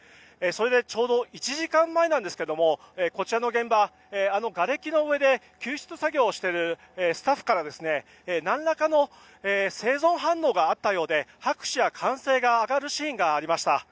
ちょうど１時間前ですがこちらの現場、がれきの上で救出活動をしているスタッフから何らかの生存反応があったようで拍手や歓声が上がるシーンがありました。